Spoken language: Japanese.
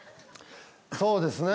そうですね。